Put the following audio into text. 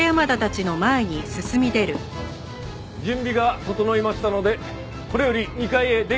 準備が整いましたのでこれより２階へ電気を流します。